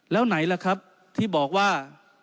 แล้วไหนล่ะครับที่บอกว่า